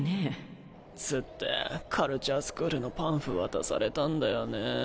じつってカルチャースクールのパンフ渡されたんだよね。